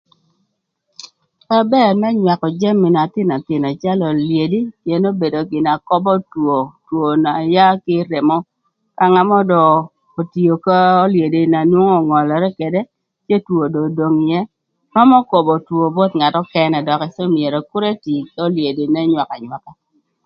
Ba bër më nywakö jami na thïnöthïnö calö olyedi pïën obedo gin na köbö two, two n'aya kï remo ka ngat mörö dong otio k'olyedi na nwongo öngölërë ködë cë two dong odong ïë römö kobo two both ngat nökënë dökï myero kür etii k'olyedi n'ënywakö anywaka.